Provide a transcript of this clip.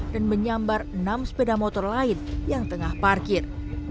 menyambar enam sepeda motor lain yang tengah parkir